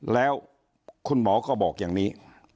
แล้วคุณหมอก็บอกอย่างนี้